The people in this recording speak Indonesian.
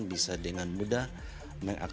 sehingga dapat mengukur kadar alkohol dengan tepat